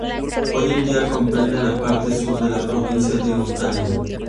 Hoy en día comprende la parte sur de la provincia de Ontario.